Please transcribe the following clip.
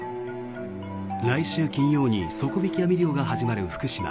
来週金曜に底引き網漁が始まる福島。